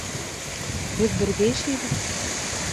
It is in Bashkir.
Беҙ бергә йәшәйбеҙ.